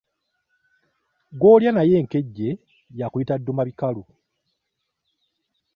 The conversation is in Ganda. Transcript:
Gwolya naye enkejje y'akuyita dduma bikalu .